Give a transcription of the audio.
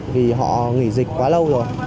vì họ nghỉ dịch quá lâu rồi